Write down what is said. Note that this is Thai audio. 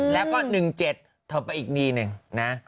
แล้วก็๑๗ถอดไปอีกนิดนึงนะ